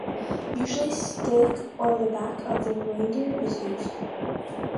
Usually steak or the back of the reindeer is used.